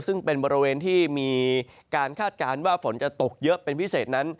ซึ่งเป็นบริเวณที่มีการคาดการณ์ว่าฝนจะตกเยอะเป็นพิเศษนั้น